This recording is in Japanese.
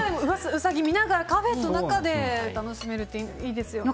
ウサギ見ながら、カフェの中で楽しめるっていいですね。